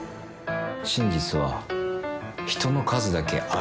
「真実は人の数だけあるんですよ」